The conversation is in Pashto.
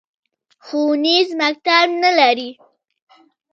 ښوونیز مکتب نه لري